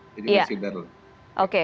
jadi masih baru